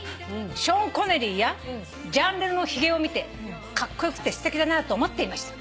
「ショーン・コネリーやジャン・レノのひげを見てカッコ良くてすてきだなと思っていました」